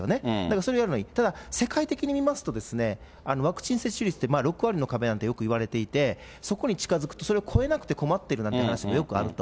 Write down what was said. それをやるのはいい、ただ、世界的に見ますと、ワクチン接種率って、６割の壁なんてよくいわれていて、そこに近づくと、それを超えなくて困ってるなんて話もよくあると。